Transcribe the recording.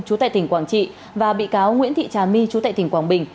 chú tại tp quảng trị và bị cáo nguyễn thị trà my chú tại tp quảng bình